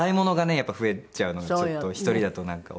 やっぱり増えちゃうのがちょっと１人だと億劫。